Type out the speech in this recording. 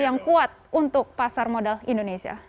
yang kuat untuk pasar modal indonesia